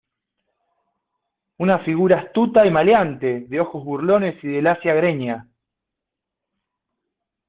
una figura astuta y maleante, de ojos burlones y de lacia greña